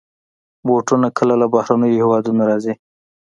بوټونه کله له بهرنيو هېوادونو راځي.